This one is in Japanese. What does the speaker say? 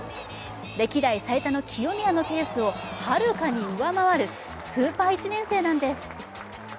歴代最多の清宮のペースをはるかに上回るスーパー１年生なんです。